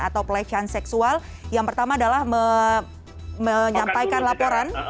atau pelecehan seksual yang pertama adalah menyampaikan laporan